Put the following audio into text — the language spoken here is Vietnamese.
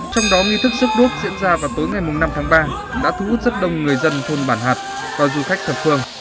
trong đó nghi thức rước đuốc diễn ra vào tối ngày năm tháng ba đã thu hút rất đông người dân thôn bản hạt và du khách thập phương